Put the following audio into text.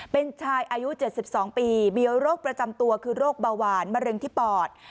เป็นชายอายุ๗๒ปีมีโรคประจำตัวคือโรคเบาหวานมะเร็งที่ปอด